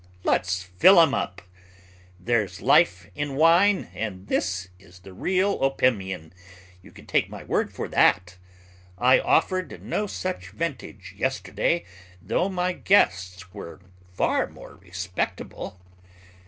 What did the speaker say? Let's fill 'em up! There's life in wine and this is the real Opimian, you can take my word for that. I offered no such vintage yesterday, though my guests were far more respectable."